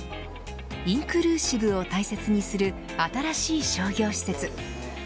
インクルーシブを大切にする新しい商業施設。